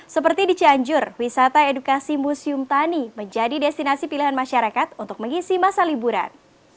seperti di cianjur wisata edukasi museum tani menjadi destinasi pilihan masyarakat untuk mengisi masa liburan